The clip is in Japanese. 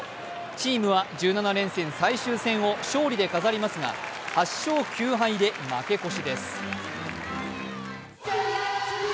チームは１７連戦最終戦を勝利で飾りますが８勝９敗で負け越しです。